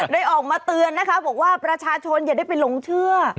ออกมาเตือนนะคะบอกว่าประชาชนอย่าได้ไปหลงเชื่อ